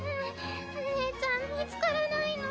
お姉ちゃん見つからないの